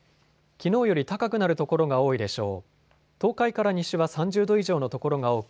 きのうより高くなる所が多いでしょう。